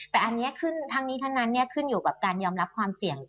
แต่ทั้งนี้ทั้งนั้นขึ้นอยู่กับการยอมรับความเสี่ยง